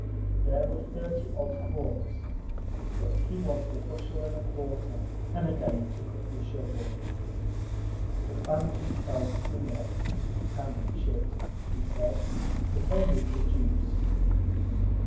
There were thirty odd quarts, but he wanted a bushel and a quarter, and again took up the shovel. The clams themselves were not, canned and shipped, he said, but only the "juice."